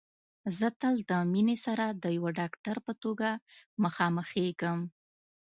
زه تل د مينې سره د يوه ډاکټر په توګه مخامخېږم